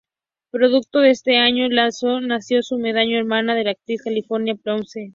Producto de este último lazo nació su medio hermana, la actriz Carolina Paulsen.